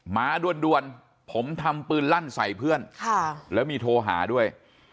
มาด่วนผมทำปืนลั่นใส่เพื่อนแล้วมีโทรหาด้วย